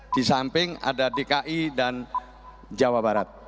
di samping ada dki dan jawa barat